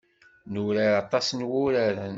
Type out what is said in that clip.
Nurar aṭas n wuraren.